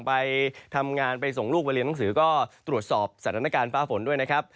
ไปทำงานไปส่งลูกไปเรียนหนังสือก็ตรวจสอบสถานการณ์ฟ้าฝนด้วยนะครับ